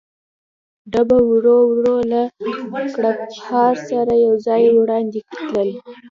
ډبه ورو ورو له کړپهار سره یو ځای وړاندې تلل.